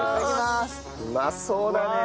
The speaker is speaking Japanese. うまそうだね！